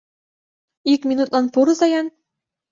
Ик минутлан пурыза-ян!..